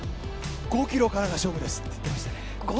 ５ｋｍからが勝負ですって言ってましたね。